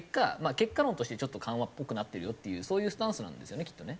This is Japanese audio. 結果論としてちょっと緩和っぽくなってるよっていうそういうスタンスなんですよねきっとね。